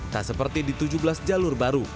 tak seperti di tujuh belas jalur baru